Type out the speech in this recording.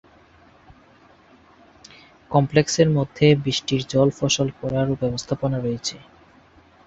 কমপ্লেক্সের মধ্যে বৃষ্টির জল ফসল করার ও ব্যবস্থাপনা আছে।